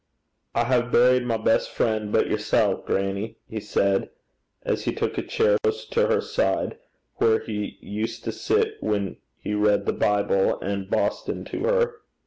'I hae buried my best frien' but yersel', grannie,' he said, as he took a chair close by her side, where he used to sit when he read the Bible and Boston to her.